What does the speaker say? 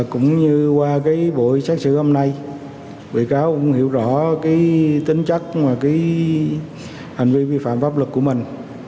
cũng như qua cái buổi sát sử hôm nay bị cáo cũng hiểu rõ cái tính chất và cái hành vi vi phạm pháp lực của mình